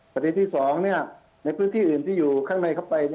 ประเด็นที่๒ในพื้นที่อื่นที่อยู่ข้างในเข้าไป